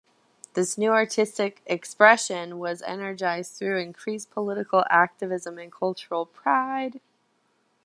This new artistic expression was energized through increased political activism and cultural pride.